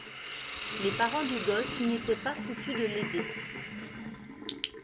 les parents du gosse n’étaient pas foutus de l’aider.